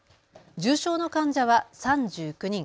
重症の患者は３９人。